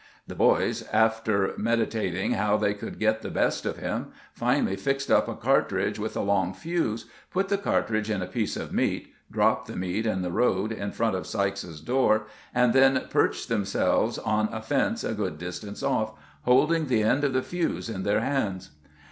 The boys, after meditating how they could get the best of him, finally fixed up a cartridge with a long fuse, put the cartridge in a piece of meat, dropped the meat in the road in front of Sykes's door, and then perched themselves on a fence a good distance off, holding the end of the fuse in their hands.